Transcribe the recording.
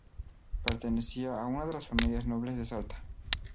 Pertenecía a una de las familias nobles de Salta.